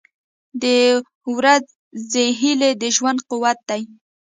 • د ورځې هیلې د ژوند قوت دی.